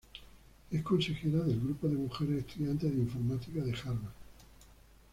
Es consejera del grupo de mujeres estudiantes de informática de Harvard.